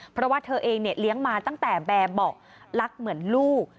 เพราะว่าเธอเองเนี่ยเลี้ยงมาตั้งแต่แบบบอกรักเหมือนลูก